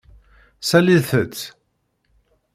Salilt-t.